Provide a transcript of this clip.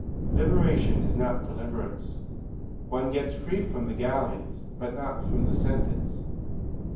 Liberation is not deliverance. One gets free from the galleys, but not from the sentence.